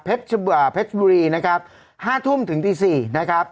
เพชรบุรีนะครับ๕ทุ่มถึงตี๔นะครับ